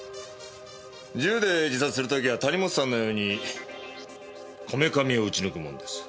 銃で自殺する時は谷本さんのようにこめかみを撃ち抜くもんです。